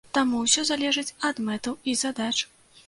Таму усё залежыць ад мэтаў і задач.